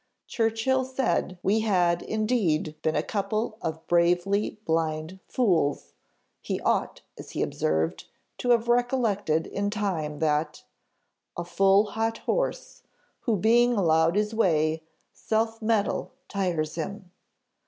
Churchill said we had indeed been a couple of bravely blind fools; he ought, as he observed, to have recollected in time, that 'A full hot horse, who being allowed his way, Self mettle tires him.